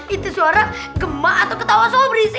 itu suara gemak atau ketawa ketawa soal berisi